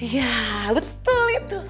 iya betul itu